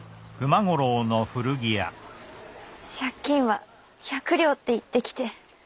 借金は百両って言ってきて。